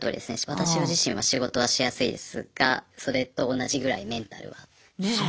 私自身は仕事はしやすいですがそれと同じぐらいメンタルはしんどいですね。